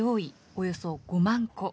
およそ５万戸。